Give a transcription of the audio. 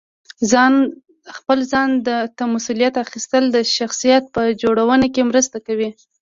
خپل ځان ته مسؤلیت اخیستل د شخصیت په جوړونه کې مرسته کوي.